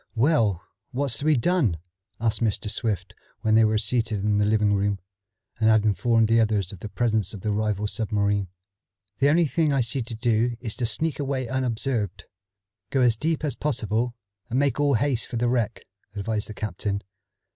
"Well, what's to be done?" asked Mr. Swift when they were seated in the living room, and had informed the others of the presence of the rival submarine. "The only thing I see to do is to sneak away unobserved, go as deep as possible, and make all haste for the wreck," advised the captain.